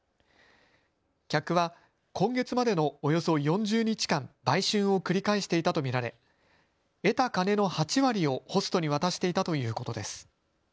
客は今月までのおよそ４０日間、売春を繰り返していたと見られ得た金の８割をホストに渡していたということです。